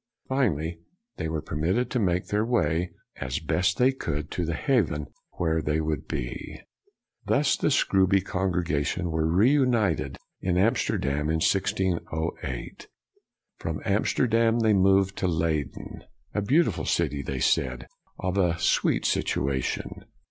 Finally, they were permitted to make their way, as best they could, to the haven where they would be. Thus the Scrooby congregation were reunited in Amsterdam in 1608. From Amsterdam, they moved to Leyden :" a beautiful city," they said, " of a sweet situation.